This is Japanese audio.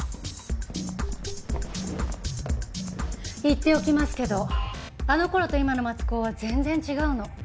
言っておきますけどあの頃と今の松高は全然違うの。